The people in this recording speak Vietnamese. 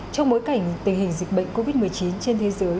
trong bối cảnh tình hình dịch bệnh covid một mươi chín trên thế giới